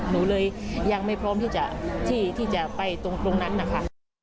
หนูเลยยังไม่พร้อมที่จะไปตรงนั้นนะคะ